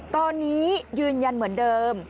ตอนนี้ยืนยันเหมือนเดิม